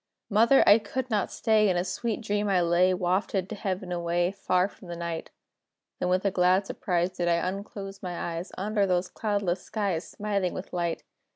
Mother! I could not stay; In a sweet dream I lay, Wafted to Heaven away, Far from the night; Then, with a glad surprise, Did I unclose my eyes, Under those cloudless skies, Smiling with light!